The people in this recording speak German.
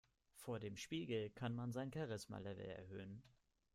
Vor dem Spiegel kann man sein Charisma-Level erhöhen.